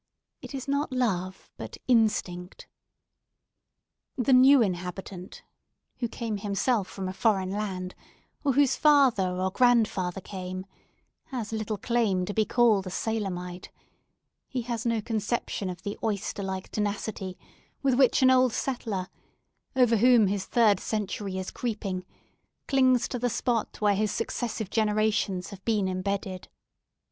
It is not love but instinct. The new inhabitant—who came himself from a foreign land, or whose father or grandfather came—has little claim to be called a Salemite; he has no conception of the oyster like tenacity with which an old settler, over whom his third century is creeping, clings to the spot where his successive generations have been embedded.